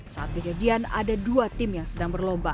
saat kejadian ada dua tim yang sedang berlomba